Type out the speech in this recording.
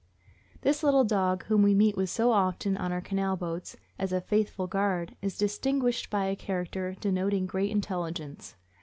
This little dog, whom we meet with so often on our canal boats as a faithful guard, is distinguished by a character denoting great intelligence.